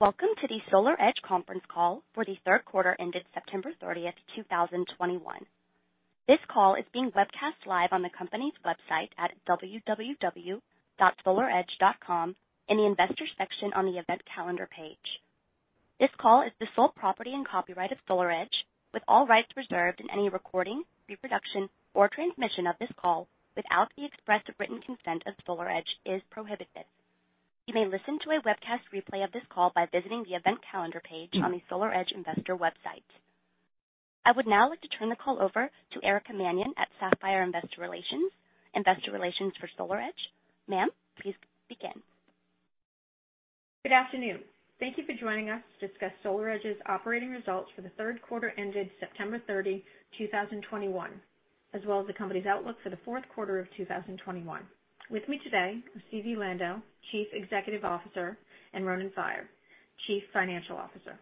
Welcome to the SolarEdge Conference Call for the Third Quarter ended September 30th, 2021. This call is being webcast live on the company's website at www.solaredge.com in the investors section on the event calendar page. This call is the sole property and copyright of SolarEdge, with all rights reserved. In any recording, reproduction or transmission of this call without the express written consent of SolarEdge is prohibited. You may listen to a webcast replay of this call by visiting the event calendar page on the SolarEdge investor website. I would now like to turn the call over to Erica Mannion at Sapphire Investor Relations, Investor Relations for SolarEdge. Ma'am, please begin. Good afternoon. Thank you for joining us to discuss SolarEdge's operating results for the third quarter ended September 30, 2021, as well as the company's outlook for the fourth quarter of 2021. With me today are Zvi Lando, Chief Executive Officer, and Ronen Faier, Chief Financial Officer.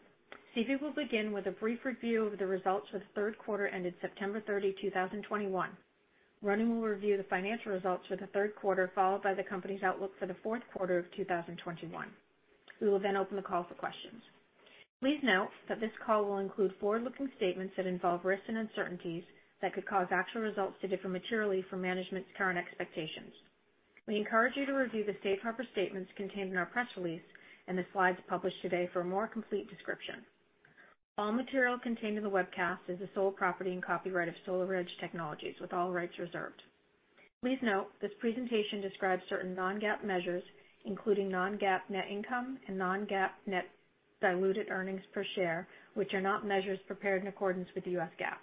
Zvi will begin with a brief review of the results for the third quarter ended September 30, 2021. Ronen will review the financial results for the third quarter, followed by the company's outlook for the fourth quarter of 2021. We will then open the call for questions. Please note that this call will include forward-looking statements that involve risks and uncertainties that could cause actual results to differ materially from management's current expectations. We encourage you to review the Safe Harbor Statements contained in our press release and the slides published today for a more complete description. All material contained in the webcast is the sole property and copyright of SolarEdge Technologies, with all rights reserved. Please note, this presentation describes certain non-GAAP measures, including non-GAAP net income and non-GAAP net diluted earnings per share, which are not measures prepared in accordance with U.S. GAAP.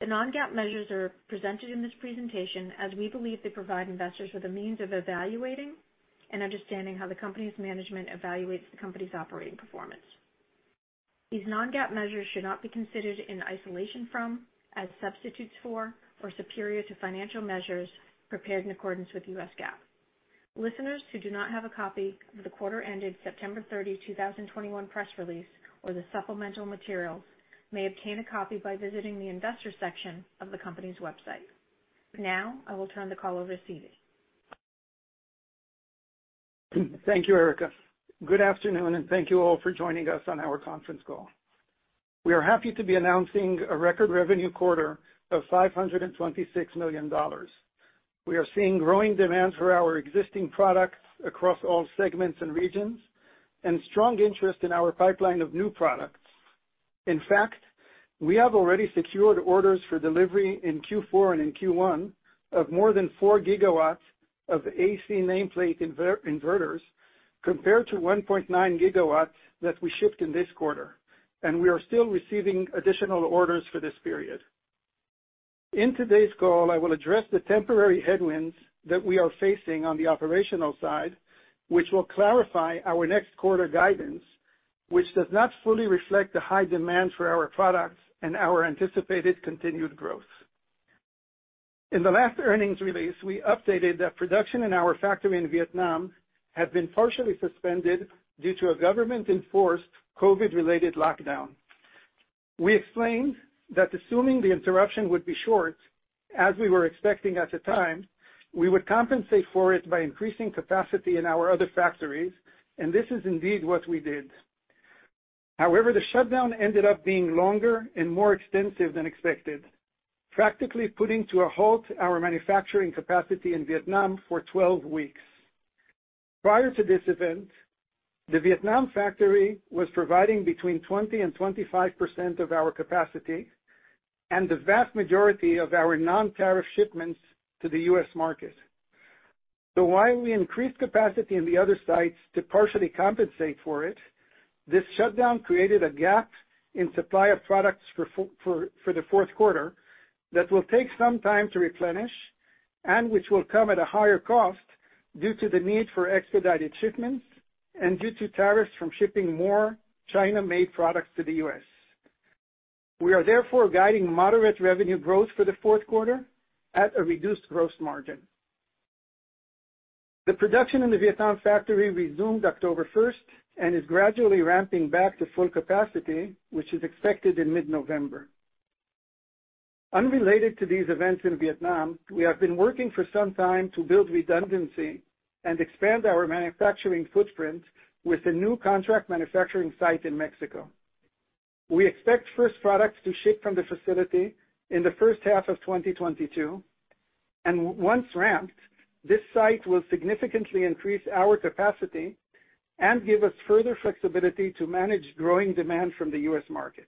The non-GAAP measures are presented in this presentation as we believe they provide investors with a means of evaluating and understanding how the company's management evaluates the company's operating performance. These non-GAAP measures should not be considered in isolation from, as substitutes for, or superior to financial measures prepared in accordance with U.S. GAAP. Listeners who do not have a copy of the quarter ended September 30, 2021 press release or the supplemental materials may obtain a copy by visiting the Investors section of the company's website. Now, I will turn the call over to Zvi Lando. Thank you, Erica. Good afternoon, and thank you all for joining us on our conference call. We are happy to be announcing a record revenue quarter of $526 million. We are seeing growing demand for our existing products across all segments and regions and strong interest in our pipeline of new products. In fact, we have already secured orders for delivery in Q4 and in Q1 of more than 4 GW of AC nameplate inverters compared to 1.9 GW that we shipped in this quarter, and we are still receiving additional orders for this period. In today's call, I will address the temporary headwinds that we are facing on the operational side, which will clarify our next quarter guidance, which does not fully reflect the high demand for our products and our anticipated continued growth. In the last earnings release, we updated that production in our factory in Vietnam had been partially suspended due to a government-enforced COVID-related lockdown. We explained that assuming the interruption would be short, as we were expecting at the time, we would compensate for it by increasing capacity in our other factories, and this is indeed what we did. However, the shutdown ended up being longer and more extensive than expected, practically putting to a halt our manufacturing capacity in Vietnam for 12 weeks. Prior to this event, the Vietnam factory was providing between 20% and 25% of our capacity and the vast majority of our non-tariff shipments to the U.S. market. While we increased capacity in the other sites to partially compensate for it, this shutdown created a gap in supply of products for the fourth quarter that will take some time to replenish and which will come at a higher cost due to the need for expedited shipments and due to tariffs from shipping more China-made products to the U.S. We are therefore guiding moderate revenue growth for the fourth quarter at a reduced gross margin. The production in the Vietnam factory resumed October 1st and is gradually ramping back to full capacity, which is expected in mid-November. Unrelated to these events in Vietnam, we have been working for some time to build redundancy and expand our manufacturing footprint with a new contract manufacturing site in Mexico. We expect first products to ship from this facility in the first half of 2022, and once ramped, this site will significantly increase our capacity and give us further flexibility to manage growing demand from the U.S. market.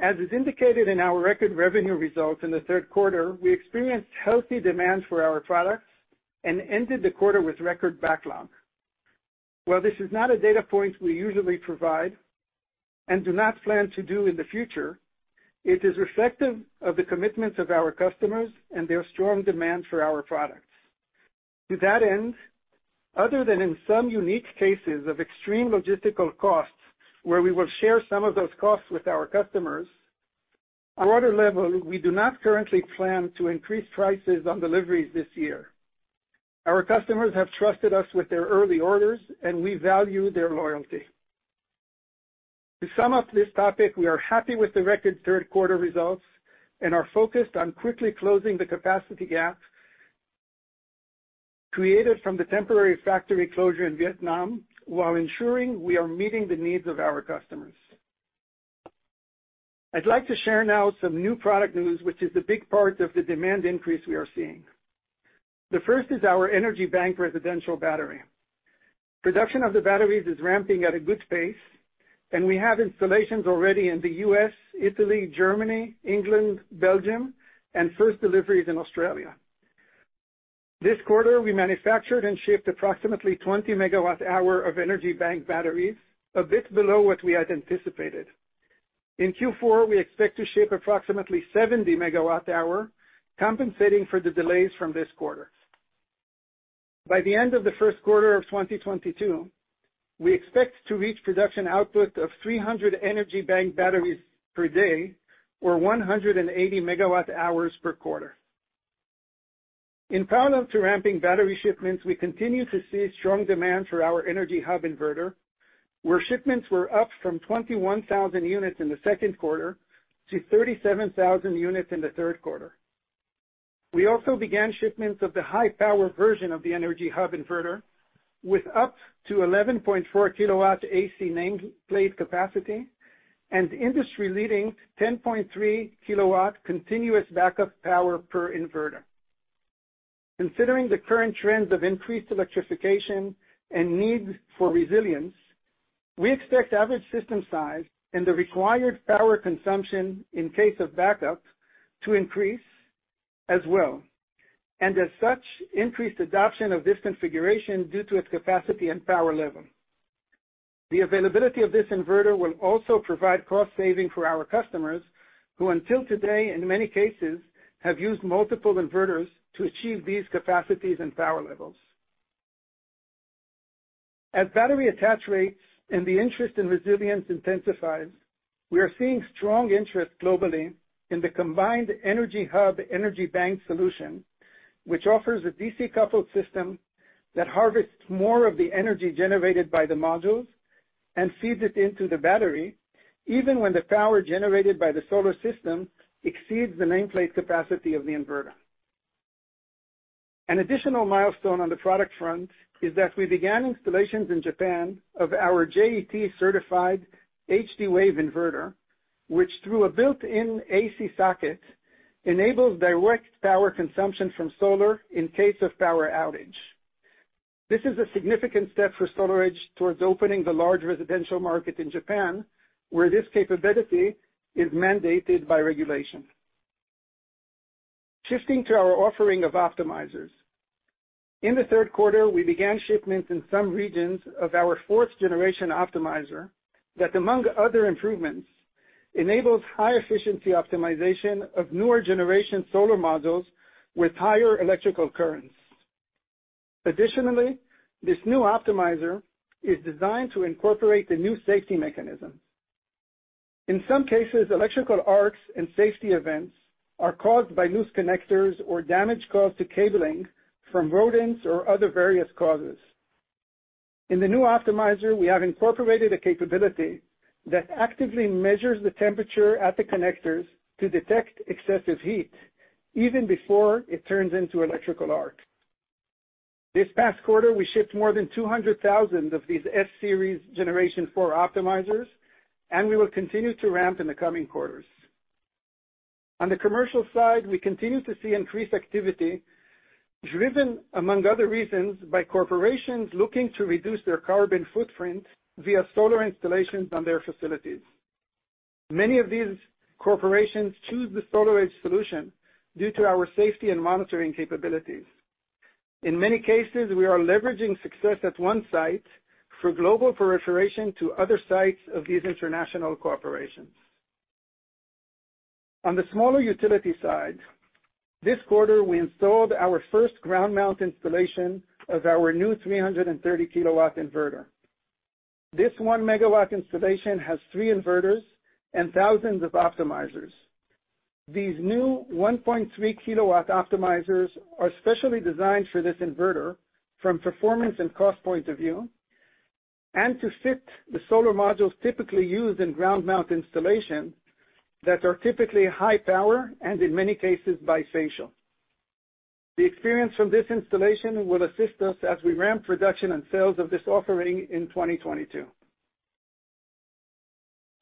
As is indicated in our record revenue results in the third quarter, we experienced healthy demand for our products and ended the quarter with record backlog. While this is not a data point we usually provide and do not plan to do in the future, it is reflective of the commitments of our customers and their strong demand for our products. To that end, other than in some unique cases of extreme logistical costs, where we will share some of those costs with our customers, at order level, we do not currently plan to increase prices on deliveries this year. Our customers have trusted us with their early orders, and we value their loyalty. To sum up this topic, we are happy with the record third quarter results and are focused on quickly closing the capacity gap created from the temporary factory closure in Vietnam while ensuring we are meeting the needs of our customers. I'd like to share now some new product news, which is a big part of the demand increase we are seeing. The first is our Energy Bank residential battery. Production of the batteries is ramping at a good pace, and we have installations already in the U.S., Italy, Germany, England, Belgium, and first deliveries in Australia. This quarter, we manufactured and shipped approximately 20 MWh of Energy Bank batteries, a bit below what we had anticipated. In Q4, we expect to ship approximately 70 MWh, compensating for the delays from this quarter. By the end of the first quarter of 2022, we expect to reach production output of 300 Energy Bank batteries per day or 180 MWh per quarter. In parallel to ramping battery shipments, we continue to see strong demand for our Energy Hub inverter, where shipments were up from 21,000 units in the second quarter to 37,000 units in the third quarter. We also began shipments of the high-power version of the Energy Hub inverter, with up to 11.4 kW AC nameplate capacity and industry-leading 10.3 kW continuous backup power per inverter. Considering the current trends of increased electrification and need for resilience, we expect average system size and the required power consumption in case of backup to increase as well, and as such, increased adoption of this configuration due to its capacity and power level. The availability of this inverter will also provide cost savings for our customers, who until today, in many cases, have used multiple inverters to achieve these capacities and power levels. As battery attach rates and the interest in resilience intensifies, we are seeing strong interest globally in the combined Energy Hub Energy Bank solution, which offers a DC-coupled system that harvests more of the energy generated by the modules and feeds it into the battery, even when the power generated by the solar system exceeds the nameplate capacity of the inverter. An additional milestone on the product front is that we began installations in Japan of our JET certified HD-Wave inverter, which through a built-in AC socket enables direct power consumption from solar in case of power outage. This is a significant step for SolarEdge towards opening the large residential market in Japan, where this capability is mandated by regulation. Shifting to our offering of optimizers. In the third quarter, we began shipments in some regions of our fourth generation optimizer that, among other improvements, enables high efficiency optimization of newer generation solar modules with higher electrical currents. Additionally, this new optimizer is designed to incorporate the new safety mechanisms. In some cases, electrical arcs and safety events are caused by loose connectors or damage caused to cabling from rodents or other various causes. In the new optimizer, we have incorporated a capability that actively measures the temperature at the connectors to detect excessive heat, even before it turns into electrical arc. This past quarter, we shipped more than 200,000 of these S-Series generation four optimizers, and we will continue to ramp in the coming quarters. On the commercial side, we continue to see increased activity driven, among other reasons, by corporations looking to reduce their carbon footprint via solar installations on their facilities. Many of these corporations choose the SolarEdge solution due to our safety and monitoring capabilities. In many cases, we are leveraging success at one site for global proliferation to other sites of these international corporations. On the smaller utility side, this quarter we installed our first ground mount installation of our new 330 kW inverter. This 1 MW installation has three inverters and thousands of optimizers. These new 1.3 kW optimizers are specially designed for this inverter from performance and cost point of view, and to fit the solar modules typically used in ground mount installation that are typically high power and, in many cases, bifacial. The experience from this installation will assist us as we ramp production and sales of this offering in 2022.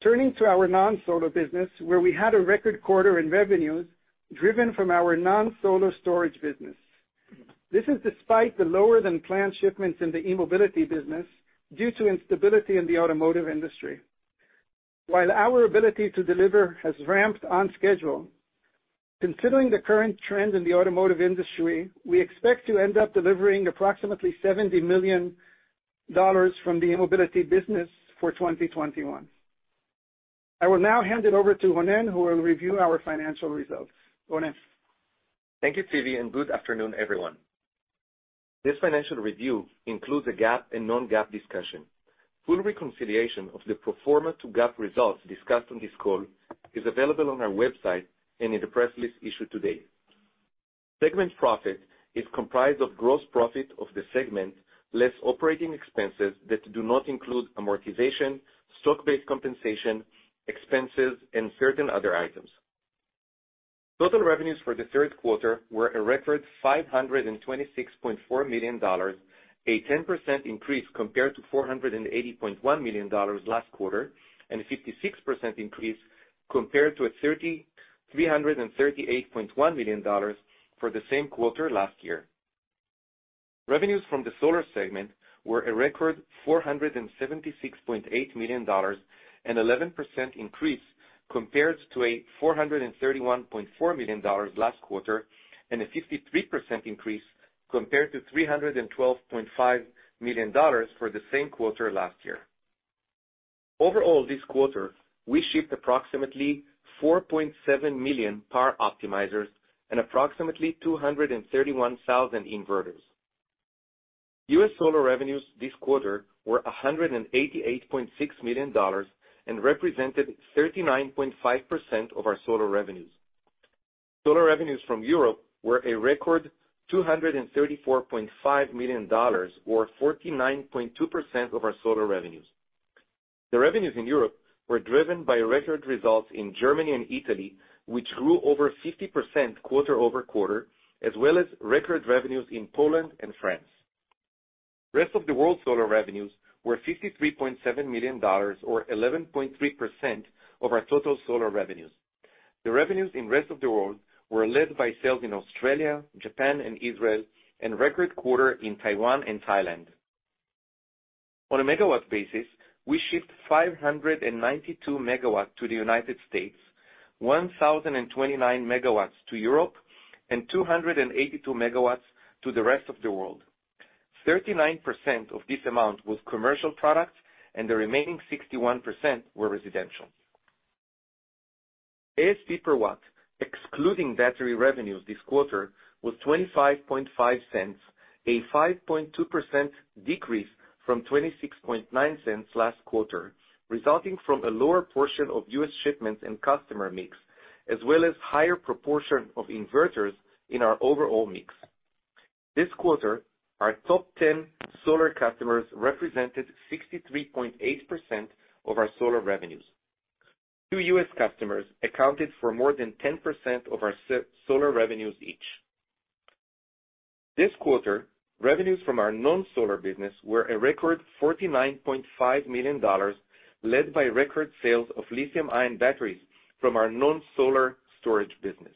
Turning to our non-solar business, where we had a record quarter in revenues driven from our non-solar storage business. This is despite the lower-than-planned shipments in the e-Mobility business due to instability in the automotive industry. While our ability to deliver has ramped on schedule, considering the current trend in the automotive industry, we expect to end up delivering approximately $70 million from the e-Mobility business for 2021. I will now hand it over to Ronen, who will review our financial results. Ronen. Thank you, Zvi, and good afternoon, everyone. This financial review includes a GAAP and non-GAAP discussion. Full reconciliation of the pro forma to GAAP results discussed on this call is available on our website and in the press release issued today. Segment profit is comprised of gross profit of the segment, less operating expenses that do not include amortization, stock-based compensation, expenses, and certain other items. Total revenues for the third quarter were a record $526.4 million, a 10% increase compared to $480.1 million last quarter, and a 56% increase compared to $338.1 million for the same quarter last year. Revenues from the solar segment were a record $476.8 million, an 11% increase compared to $431.4 million last quarter, and a 53% increase compared to $312.5 million for the same quarter last year. Overall, this quarter, we shipped approximately 4.7 million Power Optimizers and approximately 231,000 inverters. U.S. solar revenues this quarter were $188.6 million and represented 39.5% of our solar revenues. Solar revenues from Europe were a record $234.5 million or 49.2% of our solar revenues. The revenues in Europe were driven by record results in Germany and Italy, which grew over 50% quarter-over-quarter, as well as record revenues in Poland and France. Rest of the world solar revenues were $53.7 million or 11.3% of our total solar revenues. The revenues in rest of the world were led by sales in Australia, Japan, and Israel, and record quarter in Taiwan and Thailand. On a megawatt basis, we shipped 592 MW to the U.S., 1,029 MW to Europe, and 282 MW to the rest of the world. 39% of this amount was commercial products and the remaining 61% were residential. ASP per watt, excluding battery revenues this quarter, was $0.255, a 5.2% decrease from $0.269 last quarter, resulting from a lower portion of U.S. shipments and customer mix, as well as higher proportion of inverters in our overall mix. This quarter, our top 10 solar customers represented 63.8% of our solar revenues. Two U.S. customers accounted for more than 10% of our solar revenues each. This quarter, revenues from our non-solar business were a record $49.5 million, led by record sales of lithium-ion batteries from our non-solar storage business.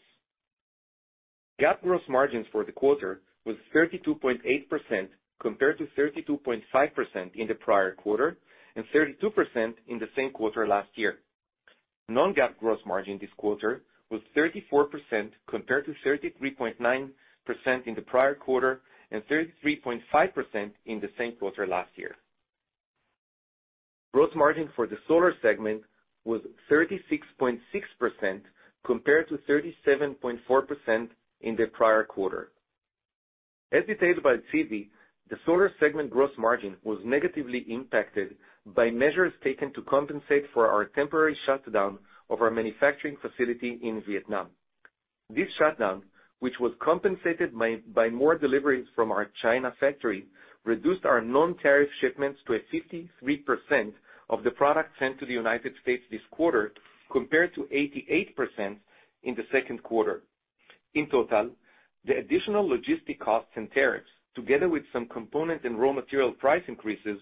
GAAP gross margins for the quarter was 32.8% compared to 32.5% in the prior quarter and 32% in the same quarter last year. Non-GAAP gross margin this quarter was 34% compared to 33.9% in the prior quarter and 33.5% in the same quarter last year. Gross margin for the solar segment was 36.6% compared to 37.4% in the prior quarter. As detailed by Zvi, the solar segment gross margin was negatively impacted by measures taken to compensate for our temporary shutdown of our manufacturing facility in Vietnam. This shutdown, which was compensated by more deliveries from our China factory, reduced our non-tariff shipments to 53% of the products sent to the U.S. this quarter compared to 88% in the second quarter. In total, the additional logistic costs and tariffs, together with some component and raw material price increases,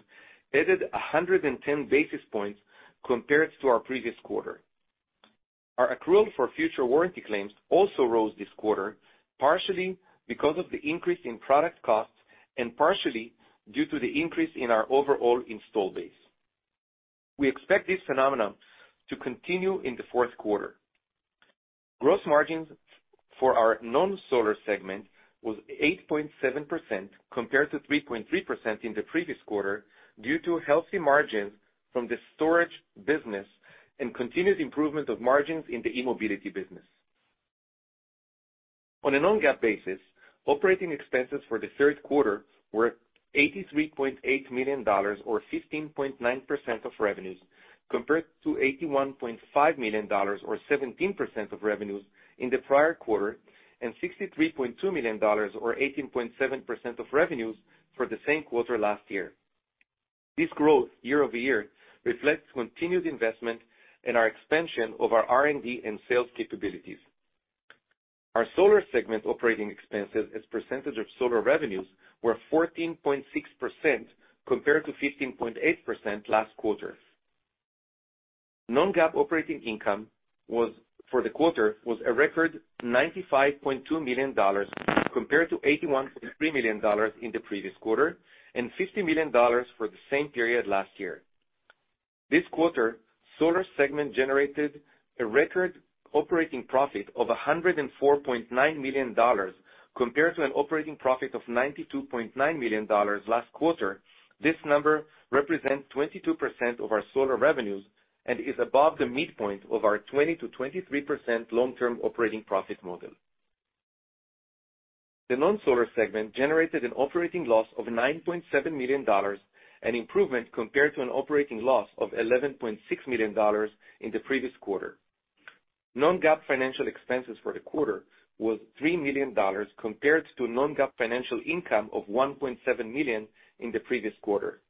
added 110 basis points compared to our previous quarter. Our accrual for future warranty claims also rose this quarter, partially because of the increase in product costs and partially due to the increase in our overall install base. We expect this phenomenon to continue in the fourth quarter. Gross margins for our non-solar segment was 8.7% compared to 3.3% in the previous quarter due to healthy margins from the storage business and continued improvement of margins in the e-Mobility business. On a non-GAAP basis, operating expenses for the third quarter were $83.8 million or 15.9% of revenues, compared to $81.5 million or 17% of revenues in the prior quarter, and $63.2 million or 18.7% of revenues for the same quarter last year. This year-over-year growth reflects continued investment in our expansion of our R&D and sales capabilities. Our solar segment operating expenses as percentage of solar revenues were 14.6% compared to 15.8% last quarter. Non-GAAP operating income for the quarter was a record $95.2 million compared to $81.3 million in the previous quarter and $50 million for the same period last year. This quarter, solar segment generated a record operating profit of $104.9 million compared to an operating profit of $92.9 million last quarter. This number represents 22% of our solar revenues and is above the midpoint of our 20%-23% long-term operating profit model. The non-solar segment generated an operating loss of $9.7 million, an improvement compared to an operating loss of $11.6 million in the previous quarter. Non-GAAP financial expenses for the quarter was $3 million compared to non-GAAP financial income of $1.7 million in the previous quarter.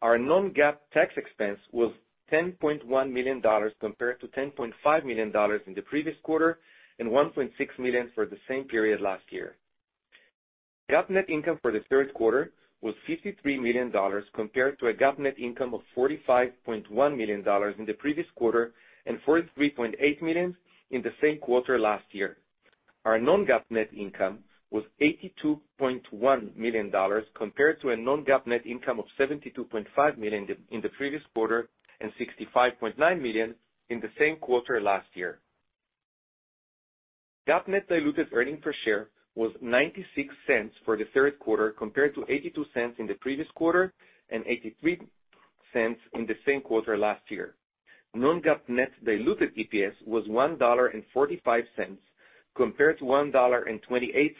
Our non-GAAP tax expense was $10.1 million compared to $10.5 million in the previous quarter and $1.6 million for the same period last year. GAAP net income for the third quarter was $53 million compared to a GAAP net income of $45.1 million in the previous quarter and $43.8 million in the same quarter last year. Our non-GAAP net income was $82.1 million compared to a non-GAAP net income of $72.5 million in the previous quarter and $65.9 million in the same quarter last year. GAAP net diluted earnings per share was $0.96 for the third quarter compared to $0.82 in the previous quarter and $0.83 in the same quarter last year. Non-GAAP net diluted EPS was $1.45 compared to $1.28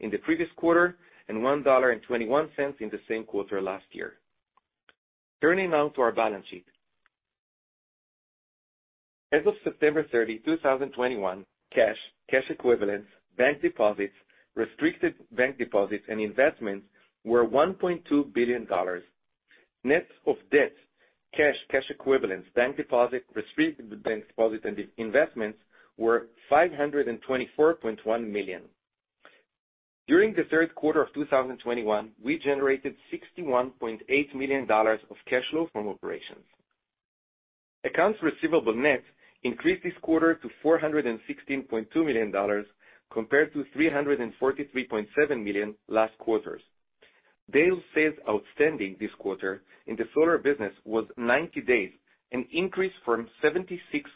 in the previous quarter and $1.21 in the same quarter last year. Turning now to our balance sheet. As of September 30, 2021, cash equivalents, bank deposits, restricted bank deposits and investments were $1.2 billion. Net of debt, cash equivalents, bank deposit, restricted bank deposit and investments were $524.1 million. During the third quarter of 2021, we generated $61.8 million of cash flow from operations. Accounts receivable net increased this quarter to $416.2 million compared to $343.7 million last quarters. Days sales outstanding this quarter in the solar business was 90 days, an increase from 76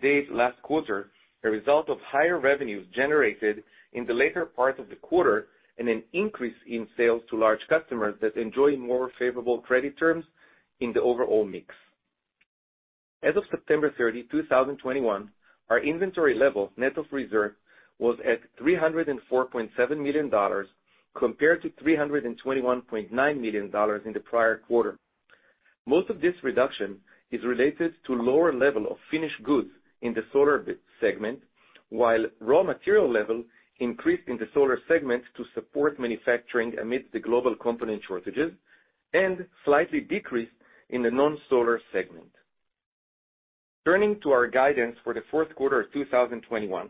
days last quarter, a result of higher revenues generated in the later part of the quarter and an increase in sales to large customers that enjoy more favorable credit terms in the overall mix. As of September 30, 2021, our inventory level, net of reserve, was at $304.7 million compared to $321.9 million in the prior quarter. Most of this reduction is related to lower level of finished goods in the solar business segment, while raw material level increased in the solar segment to support manufacturing amidst the global component shortages and slightly decreased in the non-solar segment. Turning to our guidance for the fourth quarter of 2021.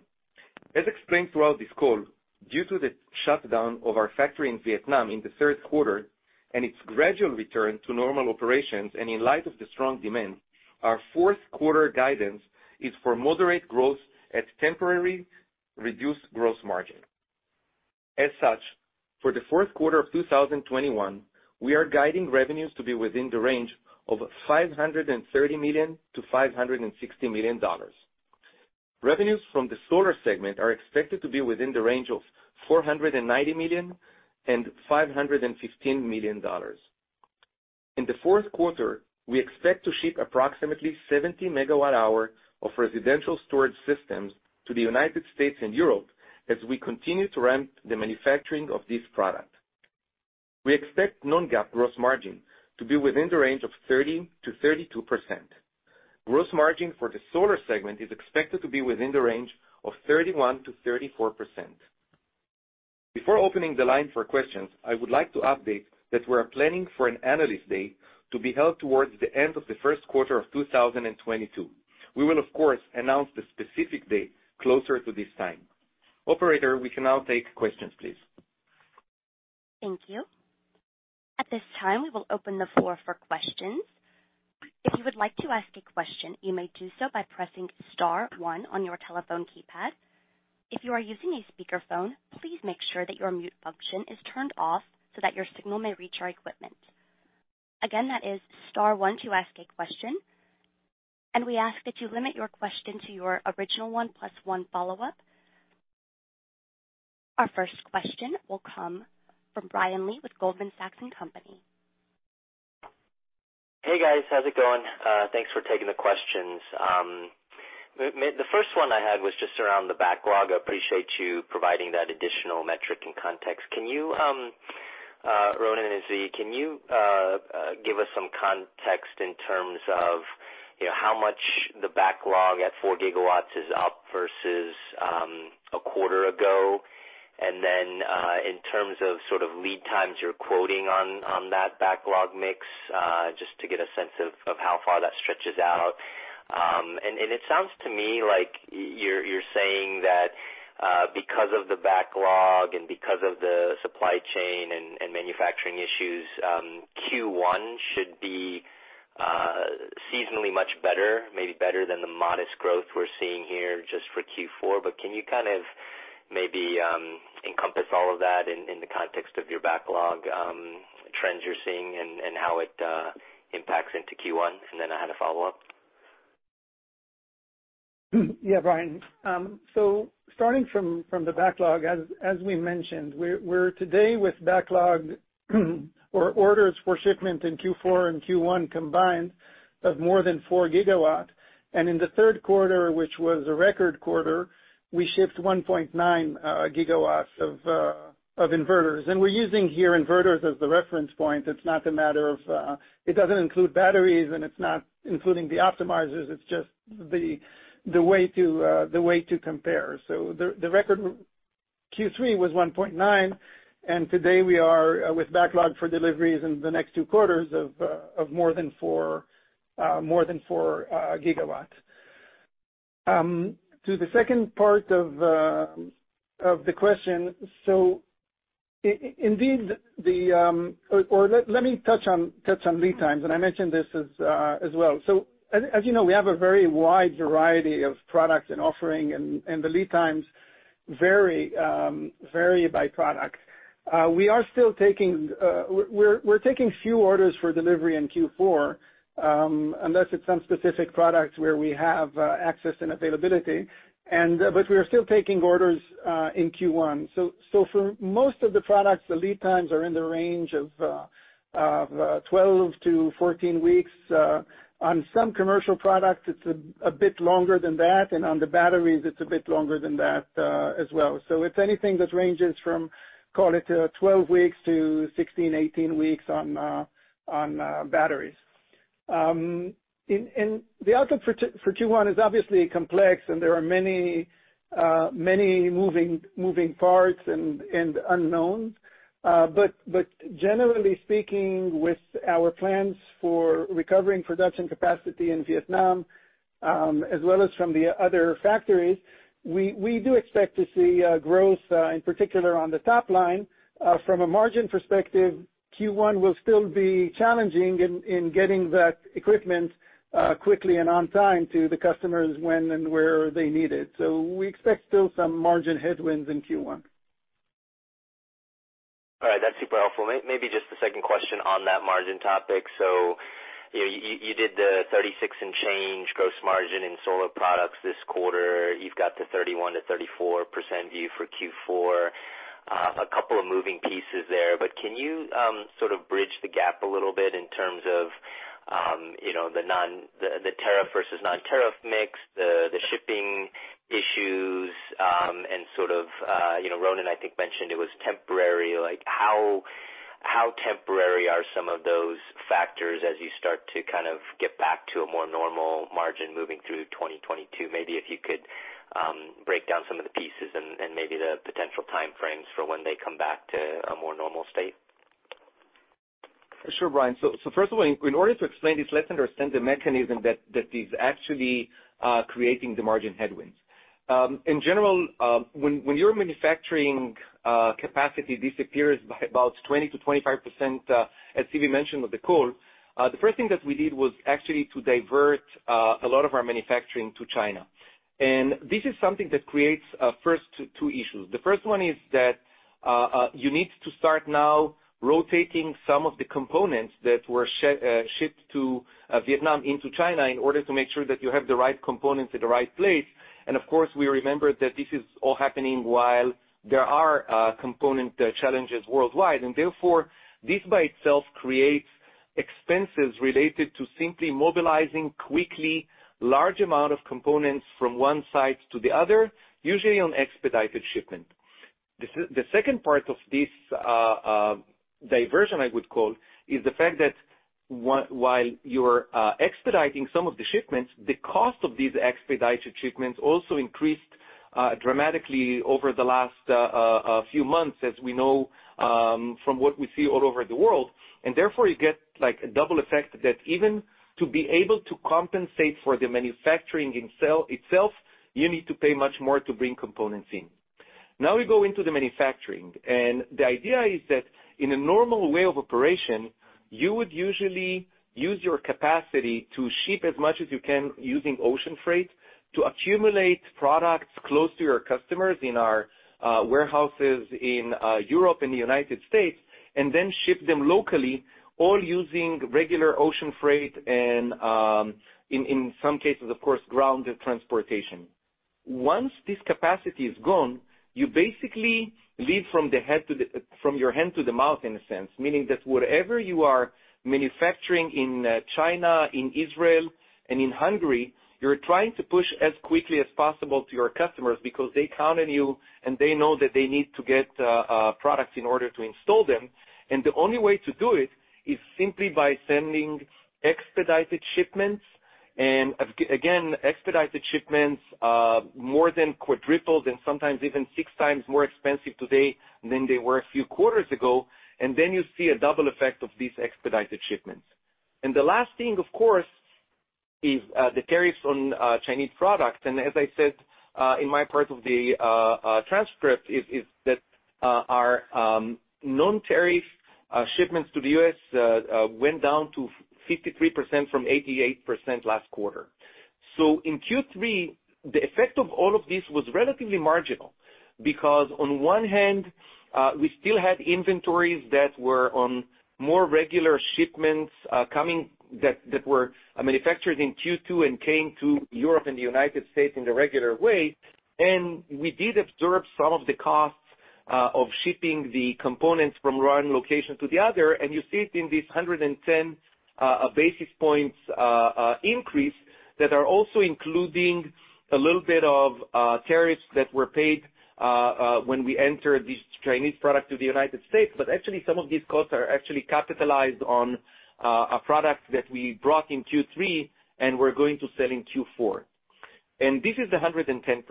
As explained throughout this call, due to the shutdown of our factory in Vietnam in the third quarter and its gradual return to normal operations, and in light of the strong demand, our fourth quarter guidance is for moderate growth at temporarily reduced gross margin. As such, for the fourth quarter of 2021, we are guiding revenues to be within the range of $530 million-$560 million. Revenues from the solar segment are expected to be within the range of $490 million-$515 million. In the fourth quarter, we expect to ship approximately 70 MWh of residential storage systems to the U.S. and Europe as we continue to ramp the manufacturing of this product. We expect non-GAAP gross margin to be within the range of 30%-32%. Gross margin for the solar segment is expected to be within the range of 31%-34%. Before opening the line for questions, I would like to update that we are planning for an analyst day to be held towards the end of the first quarter of 2022. We will of course announce the specific date closer to this time. Operator, we can now take questions, please. Thank you. At this time, we will open the floor for questions. If you would like to ask a question, you may do so by pressing star one on your telephone keypad. If you are using a speakerphone, please make sure that your mute function is turned off so that your signal may reach our equipment. Again, that is star one to ask a question, and we ask that you limit your question to your original one plus one follow-up. Our first question will come from Brian Lee with Goldman Sachs & Co. Hey, guys. How's it going? Thanks for taking the questions. The first one I had was just around the backlog. I appreciate you providing that additional metric and context. Can you, Ronen and Zvi, give us some context in terms of, you know, how much the backlog at 4 GW is up versus a quarter ago? Then, in terms of sort of lead times you're quoting on that backlog mix, just to get a sense of how far that stretches out. It sounds to me like you're saying that, because of the backlog and because of the supply chain and manufacturing issues, Q1 should be seasonally much better, maybe better than the modest growth we're seeing here just for Q4. Can you kind of maybe encompass all of that in the context of your backlog trends you're seeing and how it impacts into Q1? I had a follow-up. Yeah, Brian. Starting from the backlog, as we mentioned, we're today with backlog or orders for shipment in Q4 and Q1 combined of more than 4 GW. In the third quarter, which was a record quarter, we shipped 1.9 GW of inverters. We're using here inverters as the reference point. It's not a matter of it doesn't include batteries and it's not including the optimizers. It's just the way to compare. The record Q3 was 1.9 GW, and today we are with backlog for deliveries in the next two quarters of more than 4 GW. To the second part of the question, or let me touch on lead times, and I mentioned this as well. As you know, we have a very wide variety of products and offerings, and the lead times vary by product. We are still taking few orders for delivery in Q4, unless it's some specific products where we have access and availability. We are still taking orders in Q1. For most of the products, the lead times are in the range of 12-14 weeks. On some commercial products, it's a bit longer than that, and on the batteries, it's a bit longer than that as well. It's anything that ranges from, call it, 12 weeks to 16, 18 weeks on batteries. The outlook for Q1 is obviously complex, and there are many moving parts and unknowns. Generally speaking, with our plans for recovering production capacity in Vietnam, as well as from the other factories, we do expect to see growth, in particular on the top line. From a margin perspective, Q1 will still be challenging in getting that equipment quickly and on time to the customers when and where they need it. We expect still some margin headwinds in Q1. All right. That's super helpful. Maybe just the second question on that margin topic. You know, you did the 36% and change gross margin in solar products this quarter. You've got the 31%-34% view for Q4. A couple of moving pieces there, but can you sort of bridge the gap a little bit in terms of you know, the tariff versus non-tariff mix, the shipping issues, and sort of you know, Ronen, I think, mentioned it was temporary. Like how temporary are some of those factors as you start to kind of get back to a more normal margin moving through 2022? Maybe if you could break down some of the pieces and maybe the potential timeframes for when they come back to a more normal state. Sure, Brian. First of all, in order to explain this, let's understand the mechanism that is actually creating the margin headwinds. In general, when your manufacturing capacity disappears by about 20%-25%, as Zvi mentioned on the call, the first thing that we did was actually to divert a lot of our manufacturing to China. This is something that creates two issues. The first one is that you need to start now rotating some of the components that were shipped to Vietnam into China in order to make sure that you have the right components at the right place. Of course, we remember that this is all happening while there are component challenges worldwide. Therefore, this by itself creates expenses related to simply mobilizing quickly large amount of components from one site to the other, usually on expedited shipment. The second part of this, diversion, I would call, is the fact that while you're expediting some of the shipments, the cost of these expedited shipments also increased dramatically over the last few months, as we know, from what we see all over the world. Therefore you get like a double effect that even to be able to compensate for the manufacturing in itself, you need to pay much more to bring components in. Now we go into the manufacturing, and the idea is that in a normal way of operation, you would usually use your capacity to ship as much as you can using ocean freight to accumulate products close to your customers in our warehouses in Europe and the U.S., and then ship them locally, all using regular ocean freight and, in some cases, of course, ground transportation. Once this capacity is gone, you basically live from your hand to the mouth in a sense, meaning that whatever you are manufacturing in China, in Israel, and in Hungary, you're trying to push as quickly as possible to your customers because they count on you and they know that they need to get products in order to install them. The only way to do it is simply by sending expedited shipments. Again, expedited shipments are more than quadrupled and sometimes even 6x more expensive today than they were a few quarters ago. Then you see a double effect of these expedited shipments. The last thing, of course, is the tariffs on Chinese products. As I said, in my part of the transcript is that our non-tariff shipments to the U.S. went down to 53% from 88% last quarter. In Q3, the effect of all of this was relatively marginal because on one hand, we still had inventories that were on more regular shipments coming that were manufactured in Q2 and came to Europe and the U.S. in the regular way. We did absorb some of the costs of shipping the components from one location to the other, and you see it in these 110 basis points increase that are also including a little bit of tariffs that were paid when we entered these Chinese products to the U.S. Actually, some of these costs are actually capitalized on a product that we brought in Q3 and we're going to sell in Q4. This is the 110%.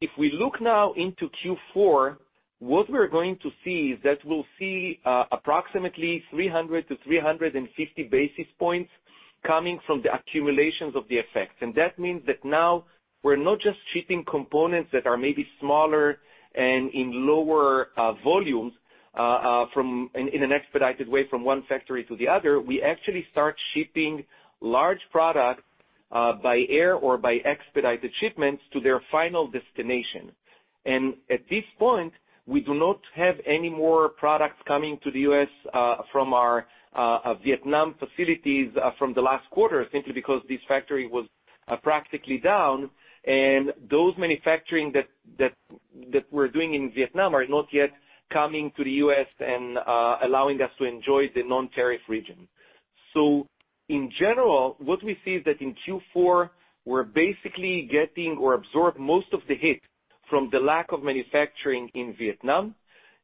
If we look now into Q4, what we're going to see is that we'll see approximately 300-350 basis points coming from the accumulations of the effects. That means that now we're not just shipping components that are maybe smaller and in lower volumes from... In an expedited way from one factory to the other, we actually start shipping large products by air or by expedited shipments to their final destination. At this point, we do not have any more products coming to the U.S. from our Vietnam facilities from the last quarter, simply because this factory was practically down. Those manufacturing that we're doing in Vietnam are not yet coming to the U.S. and allowing us to enjoy the non-tariff region. In general, what we see is that in Q4, we're basically getting or absorbed most of the hit from the lack of manufacturing in Vietnam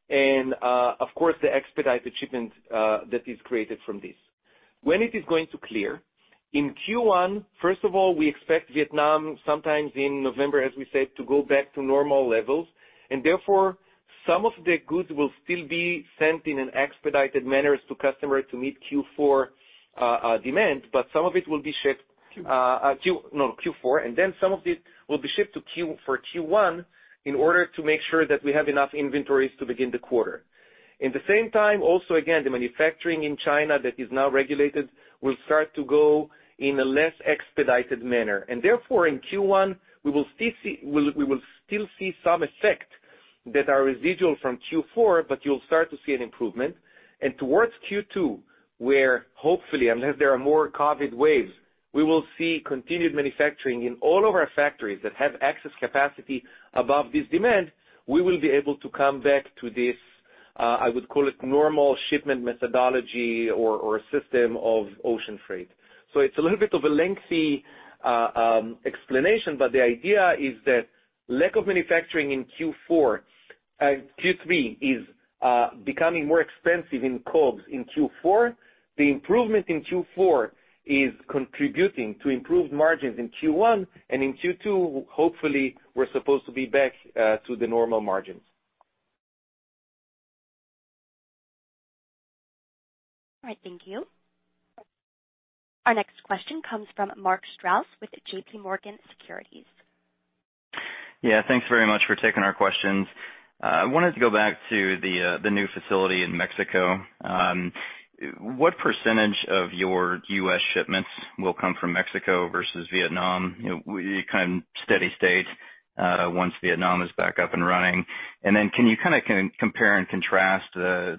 and, of course, the expedited shipment that is created from this. When it is going to clear? In Q1, first of all, we expect Vietnam sometimes in November, as we said, to go back to normal levels, and therefore, some of the goods will still be sent in an expedited manner to customers to meet Q4 demand, but some of it will be shipped Q4, and then some of it will be shipped for Q1 in order to make sure that we have enough inventories to begin the quarter. At the same time, also again, the manufacturing in China that is now regulated will start to go in a less expedited manner. Therefore, in Q1, we will still see some effects that are residual from Q4, but you'll start to see an improvement. Towards Q2, where hopefully, unless there are more COVID waves, we will see continued manufacturing in all of our factories that have excess capacity above this demand, we will be able to come back to this, I would call it normal shipment methodology or system of ocean freight. It's a little bit of a lengthy explanation, but the idea is that lack of manufacturing in Q4, Q3 is becoming more expensive in COGS in Q4. The improvement in Q4 is contributing to improved margins in Q1, and in Q2, hopefully we're supposed to be back to the normal margins. All right. Thank you. Our next question comes from Mark Strouse with JPMorgan Securities. Yeah, thanks very much for taking our questions. I wanted to go back to the new facility in Mexico. What percentage of your U.S. shipments will come from Mexico versus Vietnam? You know, kind of steady state, once Vietnam is back up and running. Can you kind of compare and contrast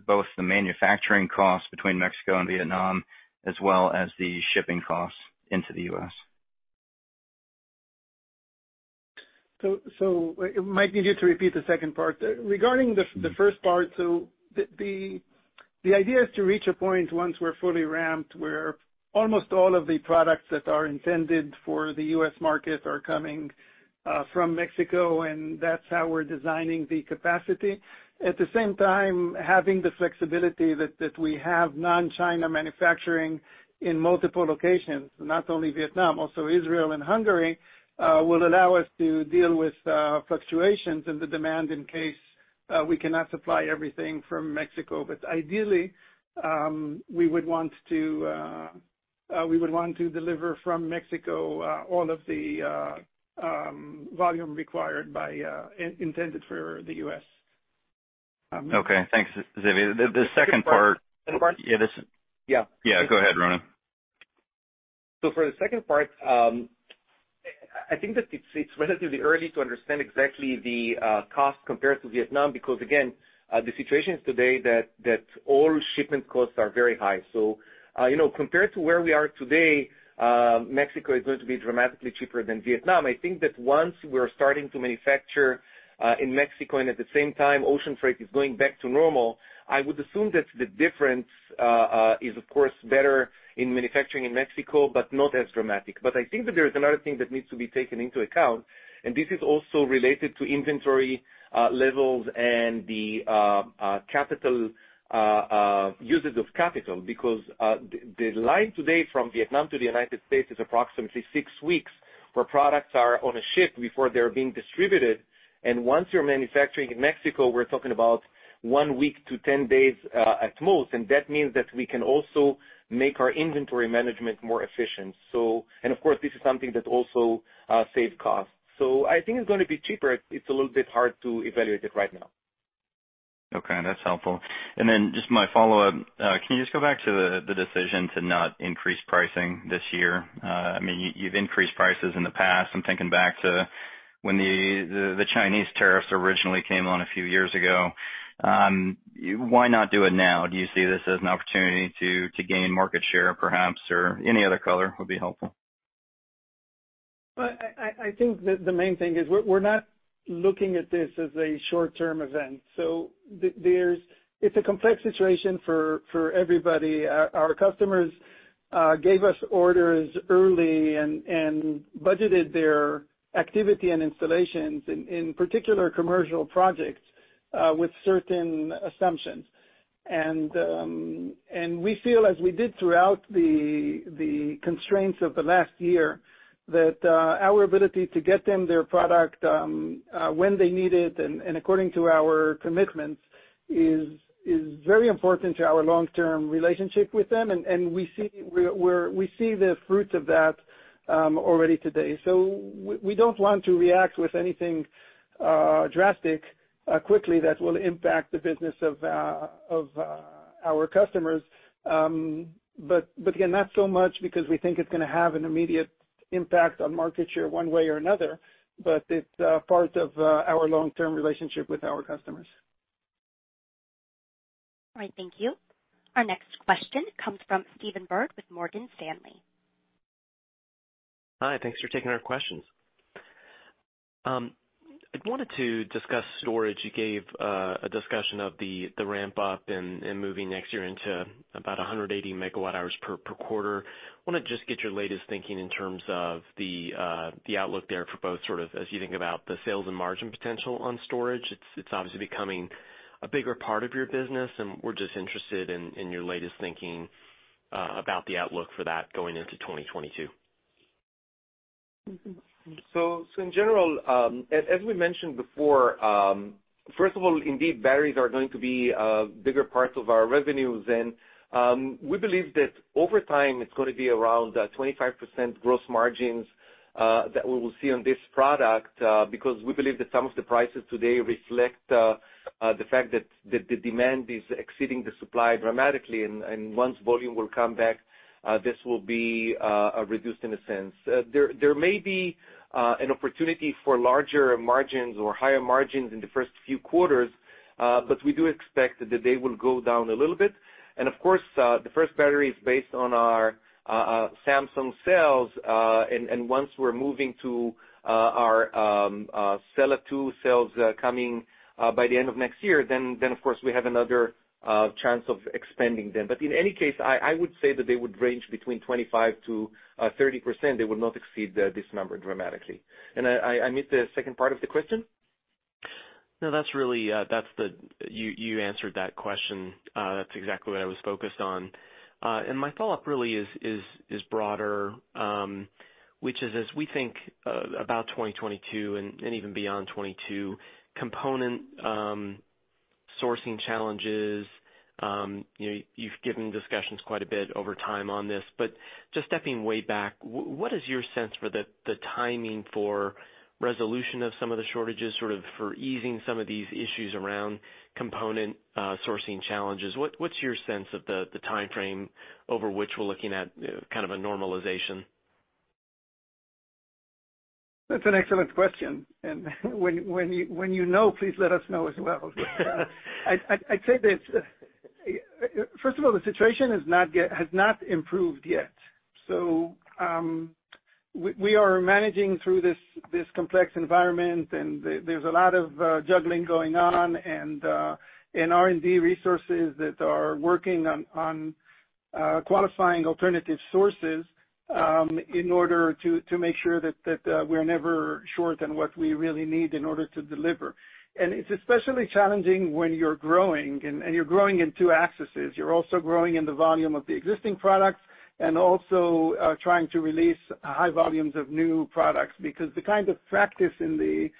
both the manufacturing costs between Mexico and Vietnam, as well as the shipping costs into the U.S.? You might need me to repeat the second part. Regarding the first part, the idea is to reach a point once we're fully ramped, where almost all of the products that are intended for the U.S. market are coming from Mexico, and that's how we're designing the capacity. At the same time, having the flexibility that we have non-China manufacturing in multiple locations, not only Vietnam, also Israel and Hungary, will allow us to deal with fluctuations in the demand in case we cannot supply everything from Mexico. Ideally, we would want to deliver from Mexico all of the volume required, intended for the U.S. Okay, thanks, Zvi. The second part. One second. Yeah, this is. Yeah. Yeah, go ahead, Ronen. For the second part, I think that it's relatively early to understand exactly the cost compared to Vietnam, because again, the situation is today that all shipment costs are very high. You know, compared to where we are today, Mexico is going to be dramatically cheaper than Vietnam. I think that once we're starting to manufacture in Mexico and at the same time ocean freight is going back to normal, I would assume that the difference is of course better in manufacturing in Mexico, but not as dramatic. I think that there is another thing that needs to be taken into account, and this is also related to inventory levels and the capital usage of capital because the line today from Vietnam to the U.S. is approximately six weeks, where products are on a ship before they're being distributed. Once you're manufacturing in Mexico, we're talking about one week to 10 days at most. That means that we can also make our inventory management more efficient, so. Of course, this is something that also save costs. I think it's gonna be cheaper. It's a little bit hard to evaluate it right now. Okay, that's helpful. Just my follow-up. Can you just go back to the decision to not increase pricing this year? I mean, you've increased prices in the past. I'm thinking back to when the Chinese tariffs originally came on a few years ago. Why not do it now? Do you see this as an opportunity to gain market share perhaps or any other color would be helpful? Well, I think that the main thing is we're not looking at this as a short-term event. It's a complex situation for everybody. Our customers gave us orders early and budgeted their activity and installations, in particular commercial projects, with certain assumptions. We feel as we did throughout the constraints of the last year that our ability to get them their product when they need it and according to our commitments is very important to our long-term relationship with them. We see the fruits of that already today. We don't want to react with anything drastic quickly that will impact the business of our customers. Again, not so much because we think it's gonna have an immediate impact on market share one way or another, but it's part of our long-term relationship with our customers. All right, thank you. Our next question comes from Stephen Byrd with Morgan Stanley. Hi, thanks for taking our questions. I wanted to discuss storage. You gave a discussion of the ramp up and moving next year into about 180 MWh per quarter. Wanna just get your latest thinking in terms of the outlook there for both sort of as you think about the sales and margin potential on storage. It's obviously becoming a bigger part of your business, and we're just interested in your latest thinking about the outlook for that going into 2022. In general, as we mentioned before, first of all, indeed batteries are going to be bigger parts of our revenues. We believe that over time, it's gonna be around 25% gross margins that we will see on this product because we believe that some of the prices today reflect the fact that the demand is exceeding the supply dramatically. Once volume will come back, this will be reduced in a sense. There may be an opportunity for larger margins or higher margins in the first few quarters, but we do expect that they will go down a little bit. Of course, the first battery is based on our Samsung cells. Once we're moving to our Sella 2 cells coming by the end of next year, then of course we have another chance of expanding them. In any case, I would say that they would range between 25%-30%. They would not exceed this number dramatically. I missed the second part of the question. No, that's really, you answered that question. That's exactly what I was focused on. My follow-up really is broader, which is as we think about 2022 and even beyond 2022, component sourcing challenges, you know, you've given discussions quite a bit over time on this. But just stepping way back, what is your sense for the timing for resolution of some of the shortages, sort of for easing some of these issues around component sourcing challenges? What's your sense of the timeframe over which we're looking at kind of a normalization? That's an excellent question. When you know, please let us know as well. I'd say that first of all, the situation has not improved yet. We are managing through this complex environment, and there's a lot of juggling going on and R&D resources that are working on qualifying alternative sources in order to make sure that we're never short on what we really need in order to deliver. It's especially challenging when you're growing, and you're growing in two axis. You're also growing in the volume of the existing products and also trying to release high volumes of new products because the kind of practice in the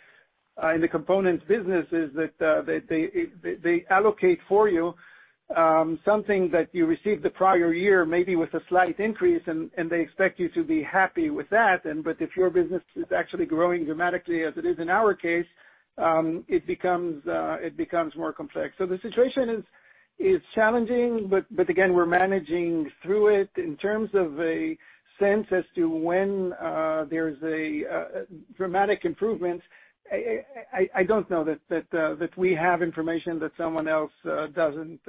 components business is that they allocate for you something that you received the prior year, maybe with a slight increase, and they expect you to be happy with that. If your business is actually growing dramatically as it is in our case, it becomes more complex. The situation is challenging, but again, we're managing through it. In terms of a sense as to when there's a dramatic improvement, I don't know that we have information that someone else doesn't